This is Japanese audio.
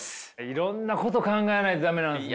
いろんなこと考えないと駄目なんですね。